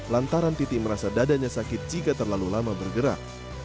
lantaran titi merasa dadanya sakit jika terlalu lama bergerak